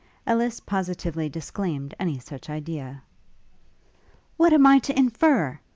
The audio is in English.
Ellis positively disclaimed any such idea. 'What am I to infer?'